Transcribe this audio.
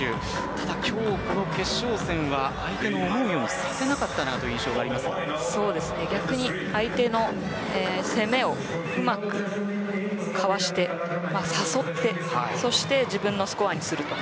ただ今日、この決勝戦は相手の思うようにさせなかった逆に相手の攻めをうまくかわして、誘ってそして自分のスコアにすると。